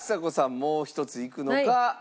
もう１ついくのか？